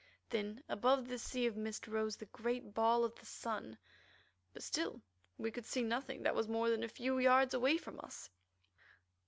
Then above this sea of mist rose the great ball of the sun, but still we could see nothing that was more than a few yards away from us.